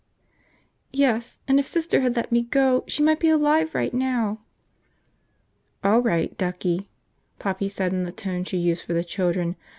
.." "Yes, and if Sister had let me go, she might be alive right now!" "All right, ducky," Poppy said in the tone she used for the children.